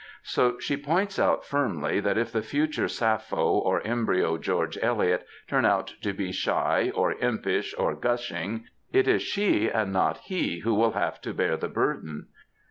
So she points out firmly that if the future Sappho or embryo George Eliot turn out to be shy, or impish, or gushing, it is she and not he, who will have to bear the burden.